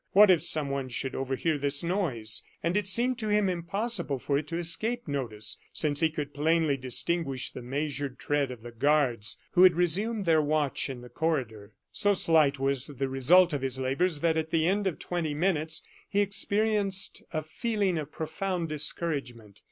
What if someone should overhear this noise? And it seemed to him impossible for it to escape notice, since he could plainly distinguish the measured tread of the guards, who had resumed their watch in the corridor. So slight was the result of his labors, that at the end of twenty minutes he experienced a feeling of profound discouragement.